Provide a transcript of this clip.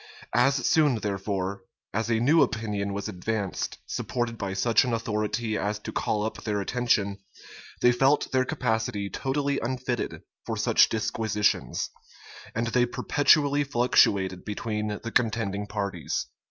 As soon, therefore, as a new opinion was advanced, supported by such an authority as to call up their attention, they felt their capacity totally unfitted for such disquisitions; and they perpetually fluctuated between the contending parties.